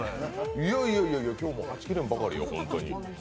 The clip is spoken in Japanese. いやいや、今日もはち切れんばかりで。